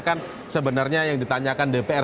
kan sebenarnya yang ditanyakan dpr